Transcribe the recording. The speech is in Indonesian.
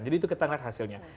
jadi itu kita lihat hasilnya